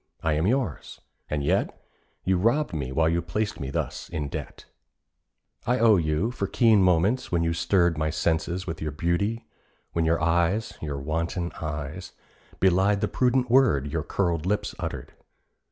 I am yours: and yet You robbed me while you placed me thus in debt. I owe you for keen moments when you stirred My senses with your beauty, when your eyes (Your wanton eyes) belied the prudent word Your curled lips uttered.